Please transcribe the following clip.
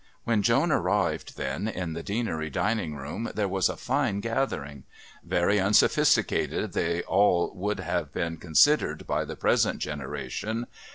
When Joan arrived, then, in the Deanery dining room there was a fine gathering. Very unsophisticated they would all have been considered by the present generation.